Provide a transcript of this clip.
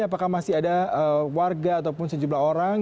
apakah masih ada warga ataupun sejumlah orang